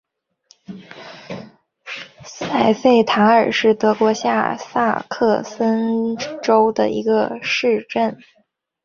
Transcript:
塞费塔尔是德国下萨克森州的一个市镇。